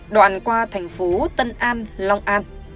đoạn qua thành phố tân an long an